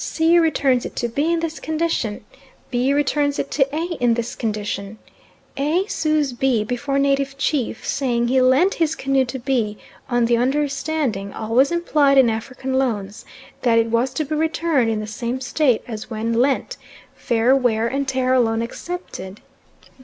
C. returns it to B. in this condition. B. returns it to A. in this condition. A. sues B. before native chief, saying he lent his canoe to B. on the understanding, always implied in African loans, that it was to be returned in the same state as when lent, fair wear and tear alone excepted.